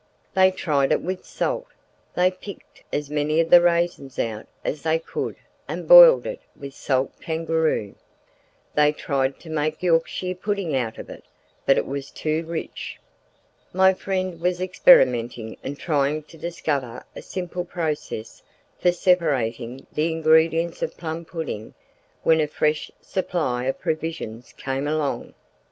They tried it with salt. They picked as many of the raisins out as they could and boiled it with salt kangaroo. They tried to make Yorkshire pudding out of it; but it was too rich. My friend was experimenting and trying to discover a simple process for separating the ingredients of plum pudding when a fresh supply of provisions came along.